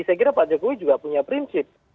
saya kira pak jokowi juga punya prinsip